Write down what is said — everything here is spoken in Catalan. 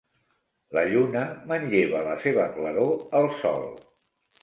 La Lluna manlleva la seva claror al Sol.